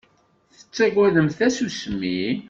Tettaggademt tasusmi?